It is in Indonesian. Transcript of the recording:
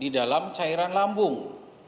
di dalam cairan lambung